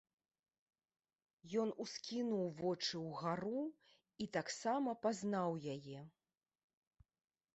Ён ускінуў вочы ўгару і таксама пазнаў яе.